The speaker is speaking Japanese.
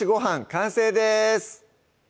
完成です